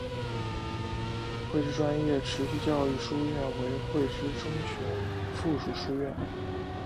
汇知专业持续教育书院为汇知中学附设书院。